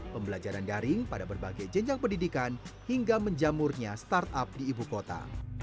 pembelajaran daring pada berbagai jenjang pendidikan hingga menjamurnya startup di ibu kota